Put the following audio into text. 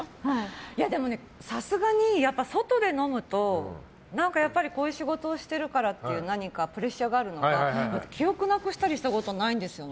でもね、さすがに外で飲むと何かこういう仕事をしてるからっていう何か、プレッシャーがあるのか記憶なくしたりしたことはないんですよね。